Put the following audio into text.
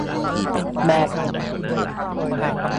แมป